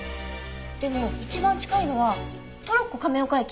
でも一番近いのはトロッコ亀岡駅。